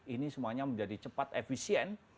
ini semuanya menjadi cepat efisien